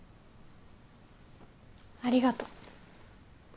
ありがとう。